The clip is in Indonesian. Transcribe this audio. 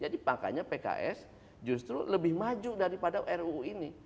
jadi makanya pks justru lebih maju daripada ruu ini